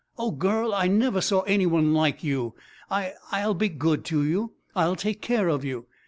Oh, girl, I never saw any one like you! I I'll be good to you I'll take care of you.